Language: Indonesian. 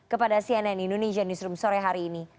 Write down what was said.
kepada cnn indonesia newsroom sore hari ini